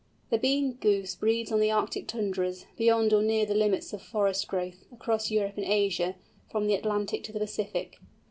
The Bean Goose breeds on the Arctic tundras, beyond or near the limits of forest growth, across Europe and Asia, from the Atlantic to the Pacific.